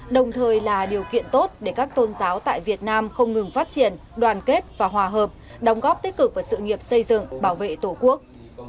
đồng thời là điều kiện tốt để các tôn giáo tại việt nam không ngừng phát triển đoàn kết và hòa hợp đóng góp tích cực vào sự nghiệp xây dựng bảo vệ tổ quốc